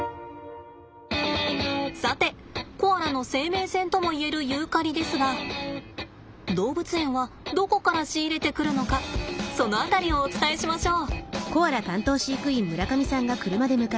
さてコアラの生命線とも言えるユーカリですが動物園はどこから仕入れてくるのかその辺りをお伝えしましょう。